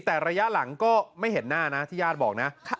แต่ระยะหลังก็ไม่เห็นหน้านะที่ญาติบอกนะ